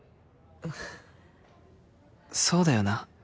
そうだよな